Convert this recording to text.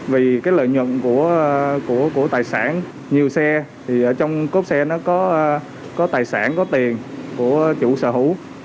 vì cái lợi nhuận của tài sản nhiều xe thì ở trong cốp xe nó có tài sản có tiền của chủ sở hữu